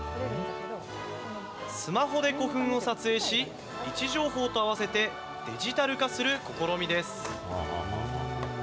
スマホで古墳を撮影し、位置情報と合わせて、デジタル化する試みです。